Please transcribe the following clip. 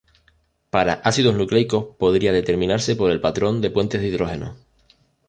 Para ácidos nucleicos, podría determinarse por el patrón de puentes de hidrógeno.